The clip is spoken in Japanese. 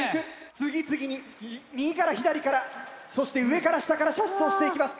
次々に右から左からそして上から下から射出していきます。